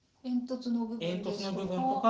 煙突の部分ですとか。